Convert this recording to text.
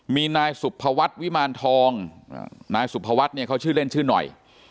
มีนายสุภวัฒน์วิมารทองนายสุภวัฒน์เนี่ยเขาชื่อเล่นชื่อหน่อย